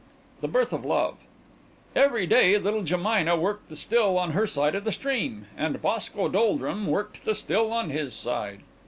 THE BIRTH OF LOVE Every day little Jemina worked the still on her side of the stream, and Boscoe Doldrum worked the still on his side.